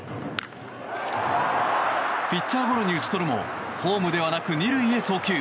ピッチャーゴロに打ち取るもホームではなく２塁へ送球。